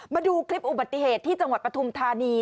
มาดูคลิปอุบัติเหตุที่จังหวัดปฐุมธานี